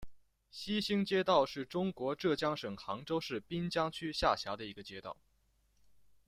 西兴街道是中国浙江省杭州市滨江区下辖的一个街道。